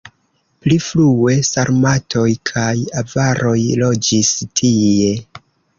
Pli frue sarmatoj kaj avaroj loĝis tie.